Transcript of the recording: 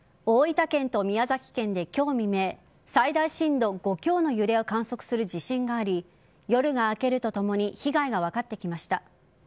大分県と宮崎県で今日未明最大震度５強の揺れを観測する地震があり夜が明けるとともに被害が分かってきました。